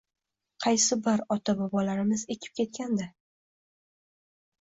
Qaysi bir... ota-bobolarimiz ekib ketgan-da?